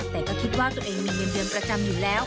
แต่ก็คิดว่าตัวเองมีเงินเดือนประจำอยู่แล้ว